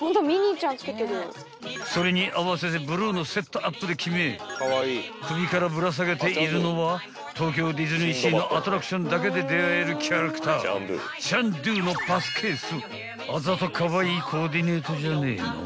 ［それに合わせてブルーのセットアップで決め首からぶら下げているのは東京ディズニーシーのアトラクションだけで出合えるキャラクターチャンドゥのパスケース］